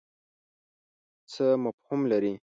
څه مفهوم لري.